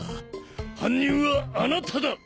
「犯人はあなただ」。